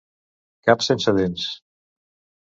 Cap sense dents.